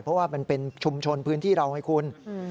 เพราะว่ามันเป็นชุมชนพื้นที่เราไงคุณ